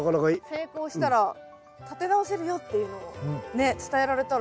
成功したら立て直せるよっていうのをね伝えられたら。